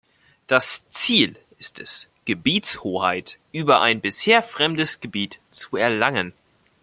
Das Ziel ist es, Gebietshoheit über ein bisher fremdes Gebiet zu erlangen.